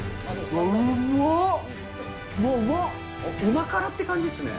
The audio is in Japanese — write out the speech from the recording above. うま辛って感じですね。